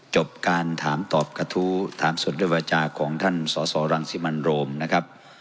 จบการถามตอบกระทู้ถามสดด้วยวาจาของท่านสสรังสิมันโรมนะครับ